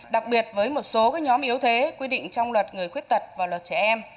đặc biệt với một số nhóm yếu thế quy định trong luật người khuyết tật và luật trẻ em